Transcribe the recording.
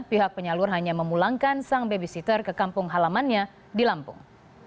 pihak penyalur hanya memulangkan sang babysitter ke kampung halamannya di lampung